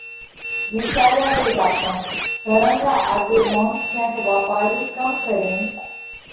وِيچاريا ري واتون ڌرم را آڳيوونَ ڪينڪ واپارِي ڪم ڪرينَ